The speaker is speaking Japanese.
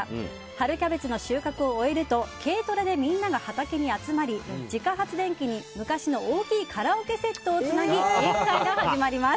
春キャベツの収穫を終えると軽トラでみんなが畑に集まり自家発電機に昔の大きいカラオケセットをつなぎ宴会が始まります。